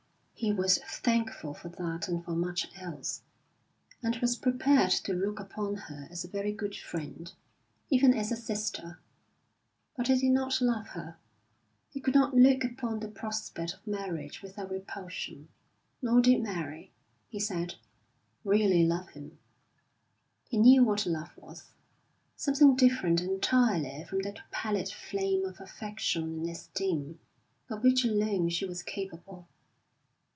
He was thankful for that and for much else, and was prepared to look upon her as a very good friend, even as a sister; but he did not love her. He could not look upon the prospect of marriage without repulsion. Nor did Mary, he said, really love him. He knew what love was something different entirely from that pallid flame of affection and esteem, of which alone she was capable.